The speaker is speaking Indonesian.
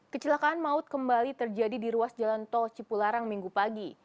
kecelakaan maut kembali terjadi di ruas jalan tol cipularang minggu pagi